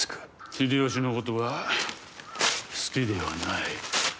秀吉のことは好きではない。